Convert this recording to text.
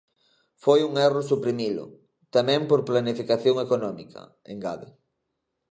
"Foi un erro suprimilo, tamén por planificación económica", engade.